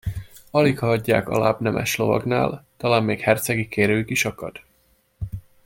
Aligha adják alább nemes lovagnál; talán még hercegi kérőjük is akad!